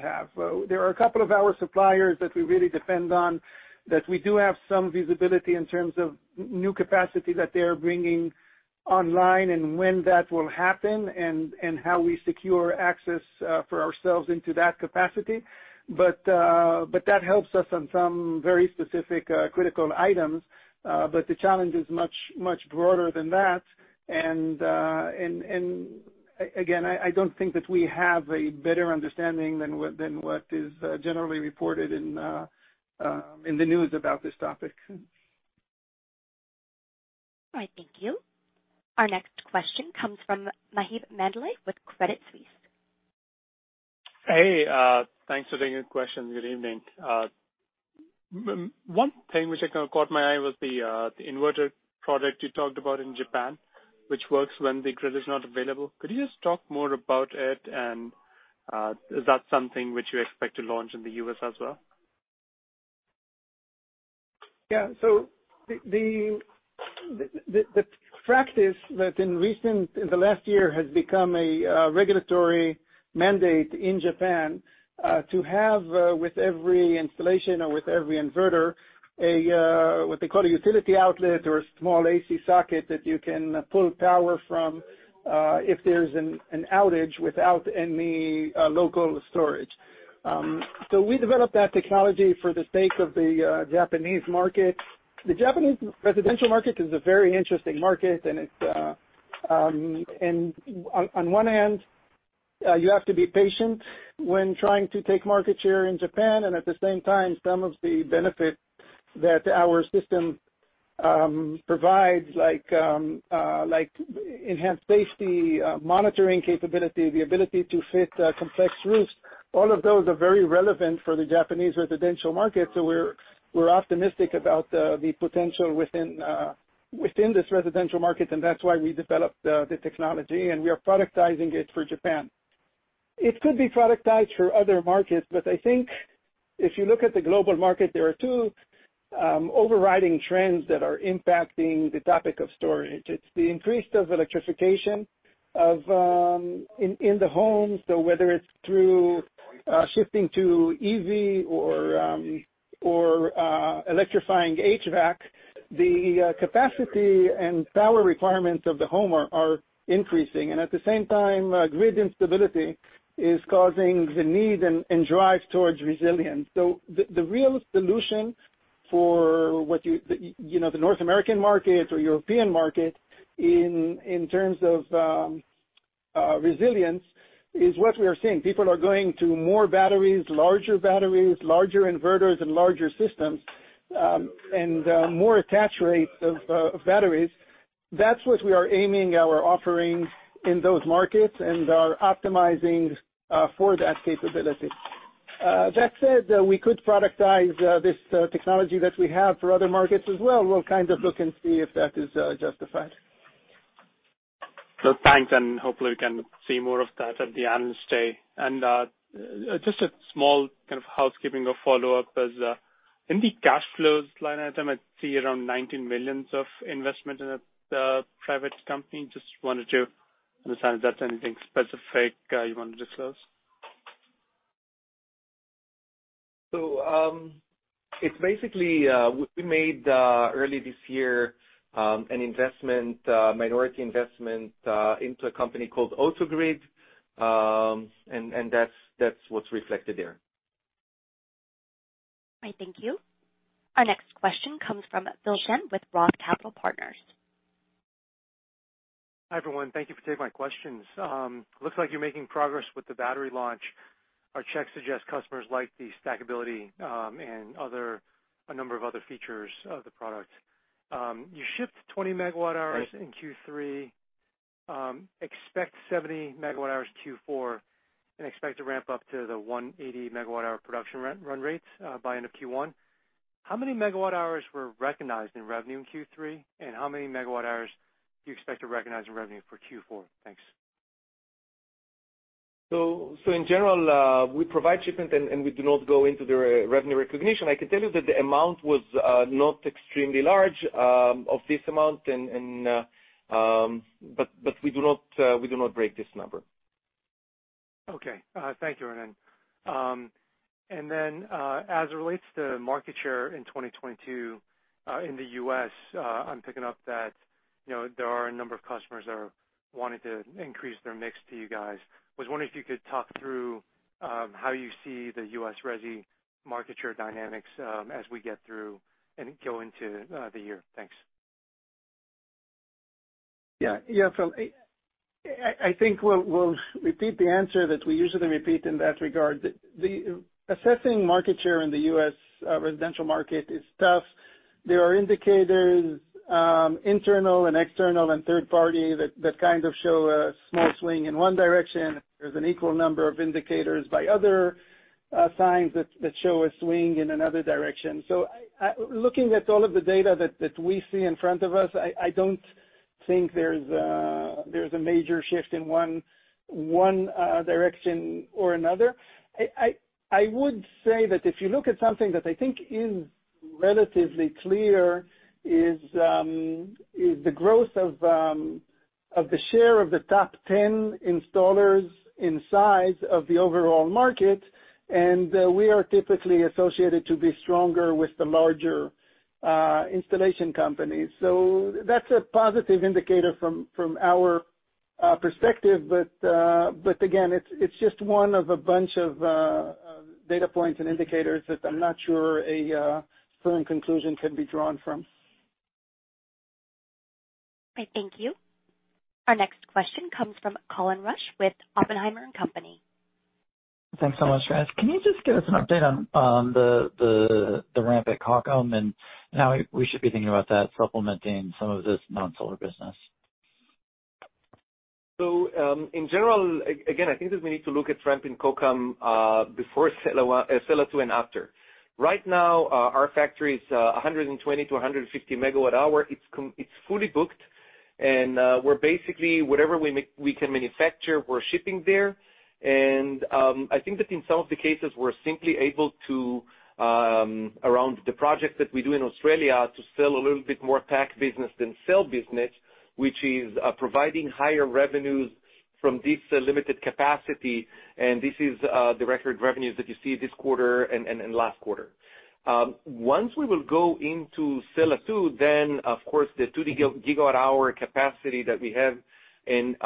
have. There are a couple of our suppliers that we really depend on that we do have some visibility in terms of new capacity that they're bringing online and when that will happen and how we secure access for ourselves into that capacity. That helps us on some very specific critical items. The challenge is much broader than that. Again, I don't think that we have a better understanding than what is generally reported in the news about this topic. All right, thank you. Our next question comes from Maheep Mandloi with Credit Suisse. Hey, thanks for taking the question. Good evening. One thing which caught my eye was the inverter product you talked about in Japan, which works when the grid is not available. Could you just talk more about it? Is that something which you expect to launch in the U.S. as well? The practice that in the last year has become a regulatory mandate in Japan to have, with every installation or with every inverter, a what they call a utility outlet or a small AC socket that you can pull power from if there's an outage without any local storage. We developed that technology for the sake of the Japanese market. The Japanese residential market is a very interesting market and it's on one hand you have to be patient when trying to take market share in Japan. At the same time, some of the benefit that our system provides like enhanced safety, monitoring capability, the ability to fit complex roofs, all of those are very relevant for the Japanese residential market. We're optimistic about the potential within this residential market, and that's why we developed the technology and we are productizing it for Japan. It could be productized for other markets, but I think if you look at the global market, there are two overriding trends that are impacting the topic of storage. It's the increase of electrification in the homes. Whether it's through shifting to EV or electrifying HVAC, the capacity and power requirements of the home are increasing. At the same time, grid instability is causing the need and drive towards resilience. The real solution for what you know, the North American market or European market in terms of resilience is what we are seeing. People are going to more batteries, larger batteries, larger inverters and larger systems, and more attach rates of batteries. That's what we are aiming our offerings in those markets and are optimizing for that capability. That said, we could productize this technology that we have for other markets as well. We'll kind of look and see if that is justified. Thanks, and hopefully we can see more of that at the Analyst Day. Just a small kind of housekeeping or follow-up is, in the cash flows line item, I see around $19 million of investment in a private company. Just wanted to understand if that's anything specific, you want to disclose. It's basically we made early this year an investment minority investment into a company called AutoGrid. That's what's reflected there. All right. Thank you. Our next question comes from Phil Shen with Roth Capital Partners. Hi, everyone. Thank you for taking my questions. Looks like you're making progress with the battery launch. Our checks suggest customers like the stackability and a number of other features of the product. You shipped 20 MWh in Q3, expect 70 MWh Q4, and expect to ramp up to the 180 MWh production run rates by end of Q1. How many MWh were recognized in revenue in Q3, and how many megawatt-hours do you expect to recognize in revenue for Q4? Thanks. In general, we provide shipment and we do not go into the revenue recognition. I can tell you that the amount was not extremely large of this amount and but we do not break this number. Okay. Thank you, Ronen. As it relates to market share in 2022, in the U.S., I'm picking up that, you know, there are a number of customers that are wanting to increase their mix to you guys. Was wondering if you could talk through, how you see the U.S. resi market share dynamics, as we get through and go into, the year. Thanks. Yeah. Yeah, Phil, I think we'll repeat the answer that we usually repeat in that regard. The assessing market share in the U.S. residential market is tough. There are indicators, internal and external and third party that kind of show a small swing in one direction. There's an equal number of indicators by other signs that show a swing in another direction. Looking at all of the data that we see in front of us, I don't think there's a major shift in one direction or another. I would say that if you look at something that I think is relatively clear is the growth of the share of the top ten installers in size of the overall market, and we are typically associated to be stronger with the larger installation companies. That's a positive indicator from our perspective. Again, it's just one of a bunch of data points and indicators that I'm not sure a firm conclusion can be drawn from. Okay, thank you. Our next question comes from Colin Rusch with Oppenheimer & Co. Thanks so much for asking. Can you just give us an update on the ramp at Kokam and how we should be thinking about that supplementing some of this non-solar business? In general, again, I think that we need to look at ramp in Kokam before Sella 1, Sella 2 and after. Right now, our factory is 120 MWh-150 MWh. It's fully booked. We're basically, whatever we can manufacture, we're shipping there. I think that in some of the cases, we're simply able to around the project that we do in Australia to sell a little bit more pack business than cell business, which is providing higher revenues from this limited capacity, and this is the record revenues that you see this quarter and last quarter. Once we will go into Sella 2, of course, the 2 GWh capacity that we have and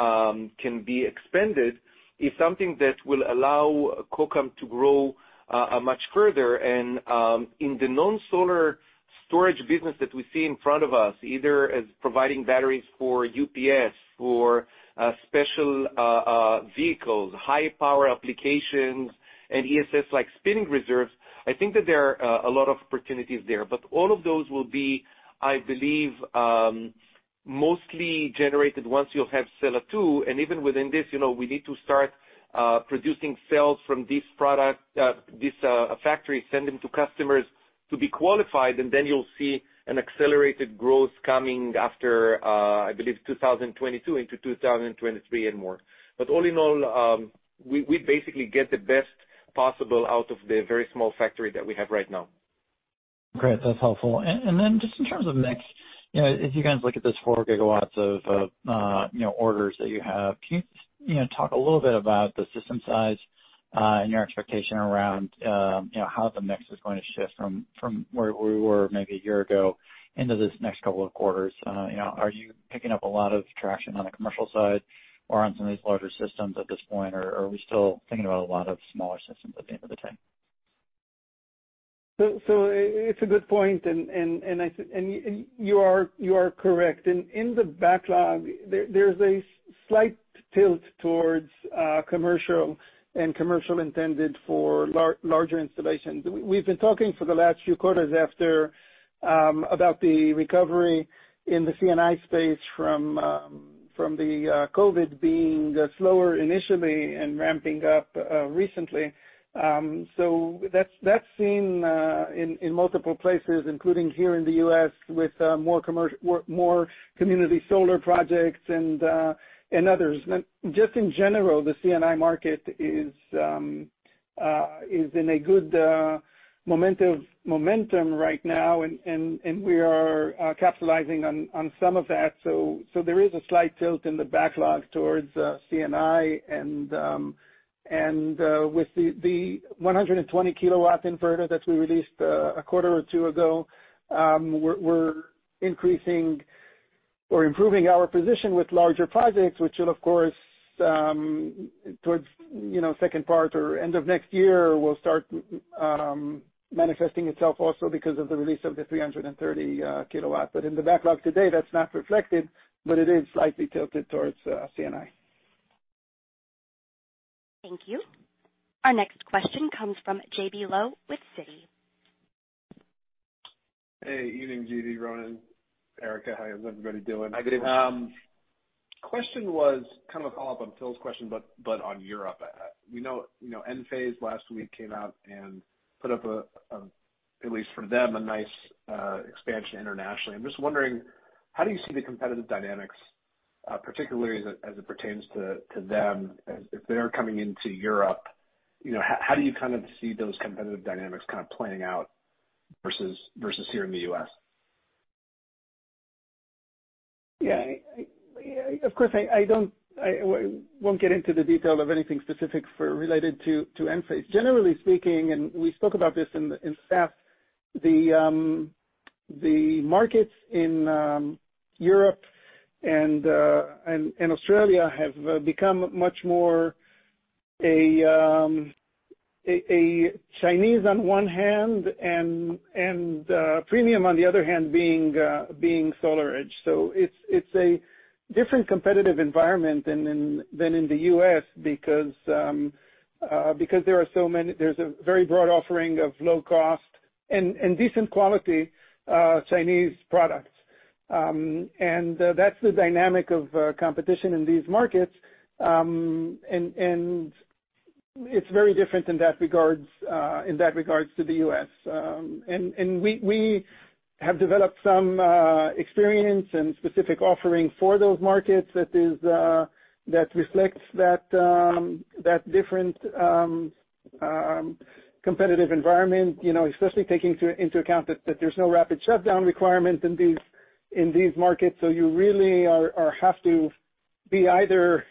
can be expanded is something that will allow Kokam to grow much further. in the non-solar storage business that we see in front of us, either as providing batteries for UPS, for special vehicles, high power applications and ESS like spinning reserves, I think that there are a lot of opportunities there. All of those will be, I believe, mostly generated once you'll have Sella 2. Even within this, you know, we need to start producing cells from this product, this factory, send them to customers to be qualified, and then you'll see an accelerated growth coming after, I believe, 2022 into 2023 and more. All in all, we basically get the best possible out of the very small factory that we have right now. Great. That's helpful. Just in terms of mix, you know, if you guys look at this 4 GW of, you know, orders that you have, can you know, talk a little bit about the system size, and your expectation around, you know, how the mix is going to shift from where we were maybe a year ago into this next couple of quarters? You know, are you picking up a lot of traction on the commercial side or on some of these larger systems at this point? Or are we still thinking about a lot of smaller systems at the end of the day? It's a good point. You are correct. In the backlog, there's a slight tilt towards commercial intended for larger installations. We've been talking for the last few quarters about the recovery in the C&I space from the COVID being slower initially and ramping up recently. That's seen in multiple places, including here in the U.S. with more community solar projects and others. Just in general, the C&I market is in a good momentum right now, and we are capitalizing on some of that. There is a slight tilt in the backlog towards C&I. With the 120 kW inverter that we released a quarter or two ago, we're increasing or improving our position with larger projects, which will, of course, towards you know, second part or end of next year, will start manifesting itself also because of the release of the 330 kW. In the backlog today, that's not reflected, but it is slightly tilted towards C&I. Thank you. Our next question comes from J.B. Lowe with Citi. Hey. Evening, Zvi, Ronen, Erica. How is everybody doing? Hi, good evening. Question was kind of a follow-up on Phil's question, but on Europe. We know, you know, Enphase last week came out and put up a nice expansion internationally. I'm just wondering how do you see the competitive dynamics, particularly as it pertains to them if they're coming into Europe, you know, how do you kind of see those competitive dynamics kind of playing out versus here in the U.S.? Yeah. Of course, I won't get into the detail of anything specific or related to Enphase. Generally speaking, we spoke about this in SAF. The markets in Europe and Australia have become much more Chinese on one hand and premium on the other hand being SolarEdge. It's a different competitive environment than in the U.S. because there's a very broad offering of low cost and decent quality Chinese products. It's very different in that regards to the U.S. We have developed some experience and specific offering for those markets that reflects that different competitive environment, you know, especially taking into account that there's no rapid shutdown requirement in these markets. You really have to be either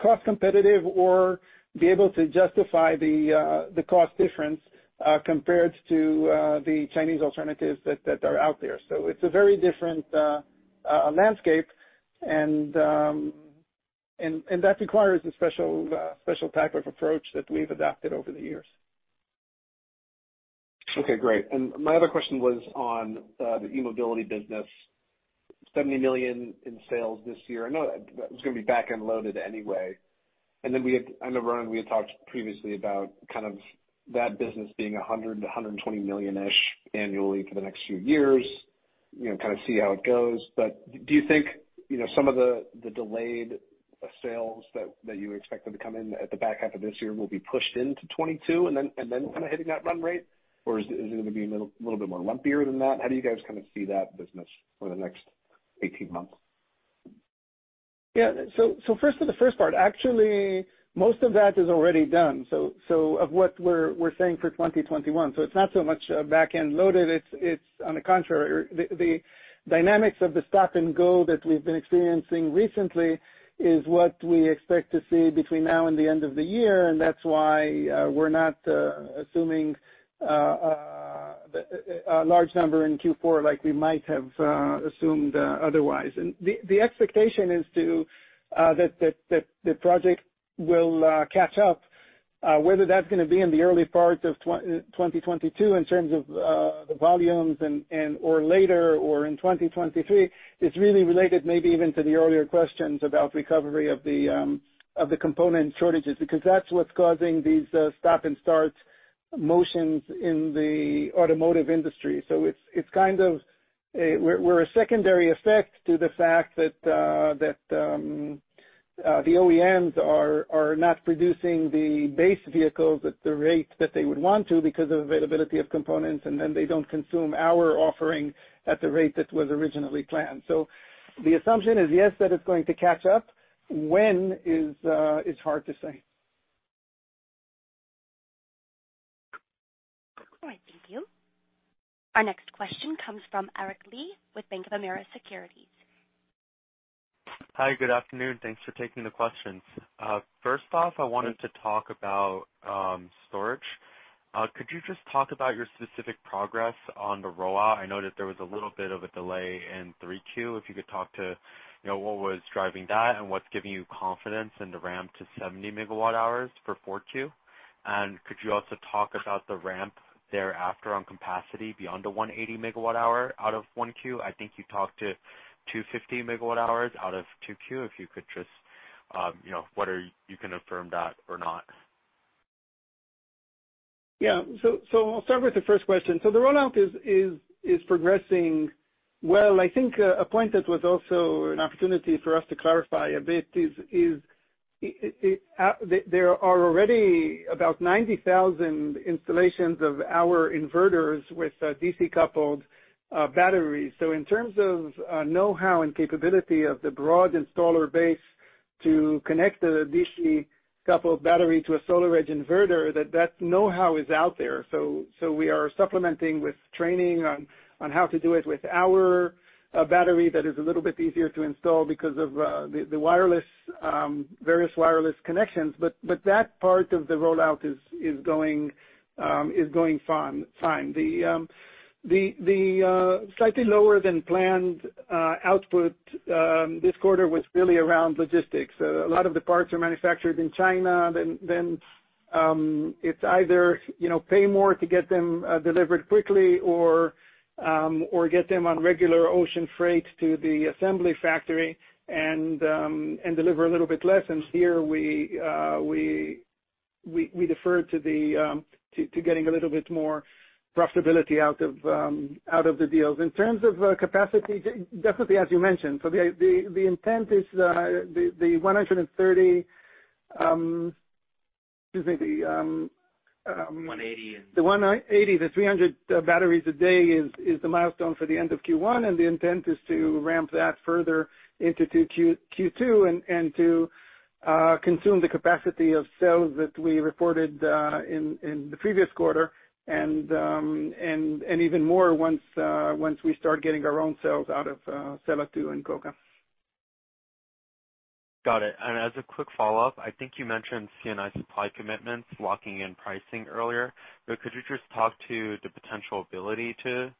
cost competitive or be able to justify the cost difference compared to the Chinese alternatives that are out there. It's a very different landscape, and that requires a special type of approach that we've adapted over the years. Okay, great. My other question was on the e-Mobility business. $70 million in sales this year. I know it was gonna be back-end loaded anyway. I know, Ronen, we had talked previously about kind of that business being $100 million-$120 million-ish annually for the next few years, you know, kind of see how it goes. But do you think, you know, some of the delayed sales that you expected to come in at the back half of this year will be pushed into 2022, and then kind of hitting that run rate? Or is it gonna be a little bit more lumpier than that? How do you guys kind of see that business for the next 18 months? Yeah. First to the first part, actually, most of that is already done, so of what we're saying for 2021. It's not so much back-end loaded, it's on the contrary. The dynamics of the stop-and-go that we've been experiencing recently is what we expect to see between now and the end of the year, and that's why we're not assuming a large number in Q4 like we might have assumed otherwise. The expectation is that the project will catch up, whether that's gonna be in the early part of 2022 in terms of the volumes and or later or in 2023. It's really related maybe even to the earlier questions about recovery of the component shortages, because that's what's causing these stop-and-start motions in the automotive industry. It's kind of a secondary effect to the fact that the OEMs are not producing the base vehicles at the rate that they would want to because of availability of components, and then they don't consume our offering at the rate that was originally planned. The assumption is, yes, that it's going to catch up. When is hard to say. All right. Thank you. Our next question comes from Aric Li with Bank of America Securities. Hi, good afternoon. Thanks for taking the questions. First off, I wanted to talk about storage. Could you just talk about your specific progress on the rollout? I know that there was a little bit of a delay in 3Q 2022, if you could talk to, you know, what was driving that and what's giving you confidence in the ramp to 70 MWh for 4Q 2022. Could you also talk about the ramp thereafter on capacity beyond the 180 MWh out of 1Q? I think you talked to 250 MWh out of 2Q. If you could just, you know, whether you can affirm that or not. I'll start with the first question. The rollout is progressing well. I think a point that was also an opportunity for us to clarify a bit is there are already about 90,000 installations of our inverters with DC-coupled batteries. In terms of know-how and capability of the broad installer base to connect the DC-coupled battery to a SolarEdge inverter, that know-how is out there. We are supplementing with training on how to do it with our battery that is a little bit easier to install because of the various wireless connections, but that part of the rollout is going fine. The slightly lower than planned output this quarter was really around logistics. A lot of the parts are manufactured in China. It's either, you know, pay more to get them delivered quickly or get them on regular ocean freight to the assembly factory and deliver a little bit less. Here we defer to getting a little bit more profitability out of the deals. In terms of capacity, definitely as you mentioned. The intent is the 130 MWh. 180 MWh. The 180 MWh. The 300 batteries a day is the milestone for the end of Q1 and the intent is to ramp that further into Q2 and to consume the capacity of cells that we reported in the previous quarter and even more once we start getting our own cells out of Sella 2 and Kokam. Got it. As a quick follow-up, I think you mentioned C&I supply commitments locking in pricing earlier, but could you just talk to the potential ability to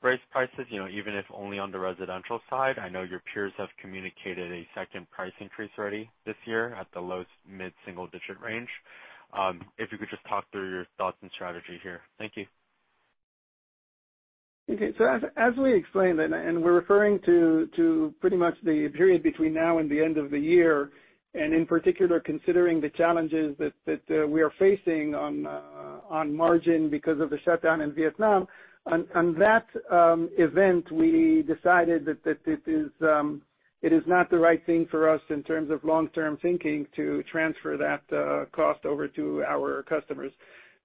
raise prices, you know, even if only on the residential side? I know your peers have communicated a second price increase already this year at the low mid-single digit range. If you could just talk through your thoughts and strategy here. Thank you. Okay. As we explained, and we're referring to pretty much the period between now and the end of the year, in particular, considering the challenges that we are facing on margin because of the shutdown in Vietnam, on that event, we decided that it is not the right thing for us in terms of long-term thinking to transfer that cost over to our customers.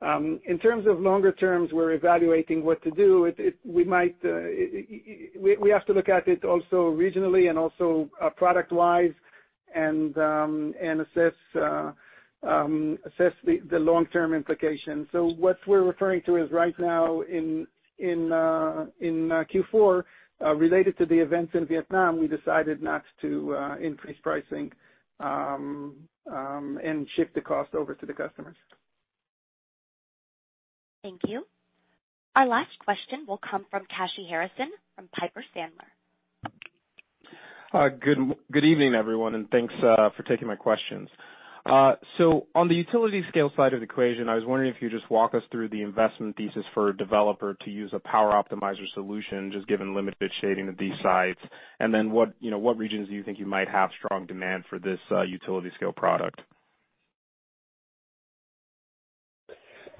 In terms of longer terms, we're evaluating what to do. We might have to look at it also regionally and also product-wise and assess the long-term implications. What we're referring to is right now in Q4, related to the events in Vietnam, we decided not to increase pricing and shift the cost over to the customers. Thank you. Our last question will come from Kashy Harrison from Piper Sandler. Good evening, everyone, and thanks for taking my questions. On the utility scale side of the equation, I was wondering if you could just walk us through the investment thesis for a developer to use a Power Optimizer solution, just given limited shading at these sites, and then what, you know, what regions do you think you might have strong demand for this utility scale product?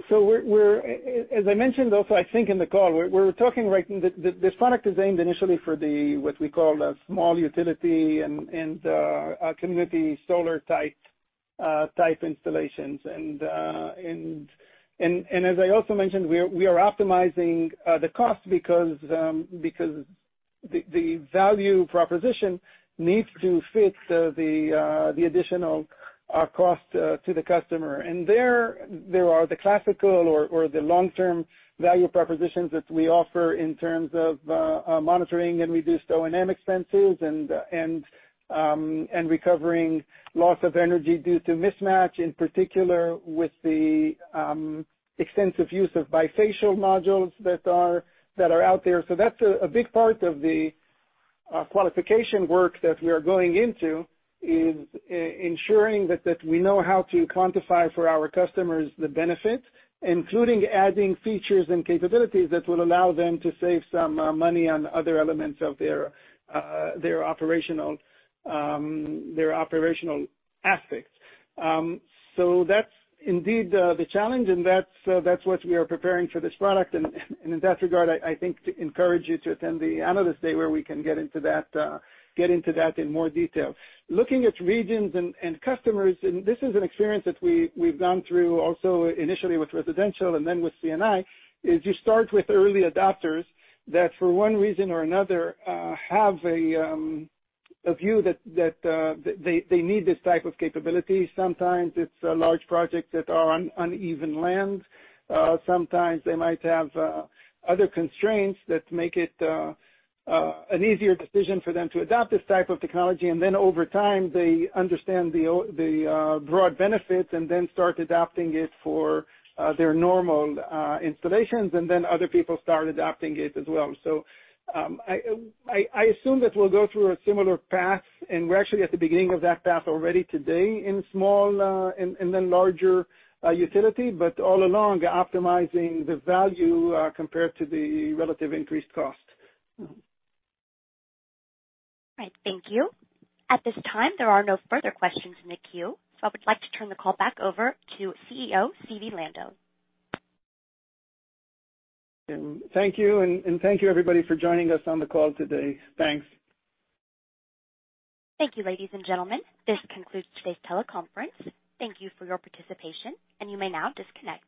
As I mentioned also, I think in the call, we're talking. This product is aimed initially for what we call the small utility and community solar type installations. As I also mentioned, we are optimizing the cost because the value proposition needs to fit the additional cost to the customer. There are the classical or the long-term value propositions that we offer in terms of monitoring and reduced O&M expenses and recovering loss of energy due to mismatch, in particular with the extensive use of bifacial modules that are out there. That's a big part of the qualification work that we are going into, is ensuring that we know how to quantify for our customers the benefit, including adding features and capabilities that will allow them to save some money on other elements of their operational aspects. That's indeed the challenge, and that's what we are preparing for this product. In that regard, I think to encourage you to attend the Analyst Day, where we can get into that in more detail. Looking at regions and customers, and this is an experience that we've gone through also initially with residential and then with C&I, is you start with early adopters that, for one reason or another, have a view that they need this type of capability. Sometimes it's a large project that are on uneven land. Sometimes they might have other constraints that make it an easier decision for them to adopt this type of technology. Over time, they understand the broad benefits and then start adapting it for their normal installations, and then other people start adapting it as well. I assume that we'll go through a similar path, and we're actually at the beginning of that path already today in small and then larger utility, but all along optimizing the value compared to the relative increased cost. All right. Thank you. At this time, there are no further questions in the queue, so I would like to turn the call back over to CEO Zvi Lando. Thank you. Thank you, everybody, for joining us on the call today. Thanks. Thank you, ladies, and gentlemen. This concludes today's teleconference. Thank you for your participation, and you may now disconnect.